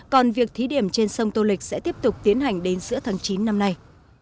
còn việc thí điểm trên sông tô lịch sẽ tiếp tục tiến hành đến giữa tháng chín năm nay